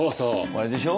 あれでしょ？